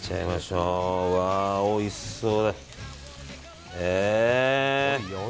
うわあ、おいしそう。